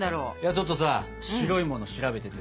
ちょっとさ白いもの調べててさ。